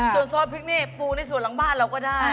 ส่วนซอสพริกนี่ปูในส่วนหลังบ้านเราก็ได้